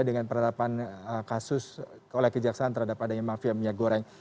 dengan penetapan kasus oleh kejaksaan terhadap adanya mafia minyak goreng